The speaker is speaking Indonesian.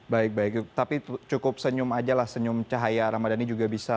baik baik tapi cukup senyum aja lah senyum cahaya ramadhani juga bisa